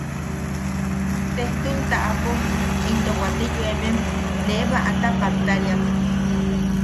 Sejtul taʼapo into waate yoemem nee baʼata pattariak,.